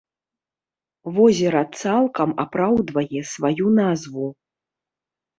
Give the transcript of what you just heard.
Возера цалкам апраўдвае сваю назву.